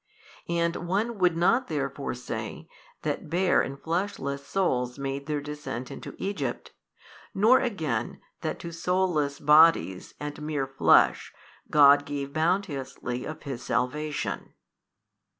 And one would not therefore say that bare and fleshless souls made their descent into Egypt, nor again that to soulless bodies and mere flesh God gave bounteously of His salvation.